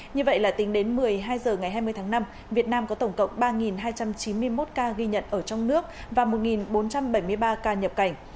như vậy là tính đến một mươi hai h ngày hai mươi tháng năm việt nam có tổng cộng ba hai trăm chín mươi một ca ghi nhận ở trong nước và một bốn trăm bảy mươi ba ca nhập cảnh